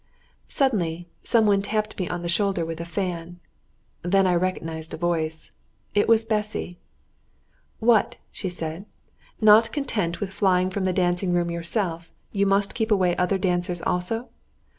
Suddenly some one tapped me on the shoulder with a fan, then I recognised a voice; it was Bessy. "What," she said, "not content with flying from the dancing room yourself, must you keep away other dancers also!